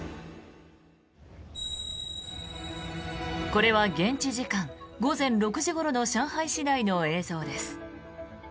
これは現地時間午前６時ごろの上海市内の映像です。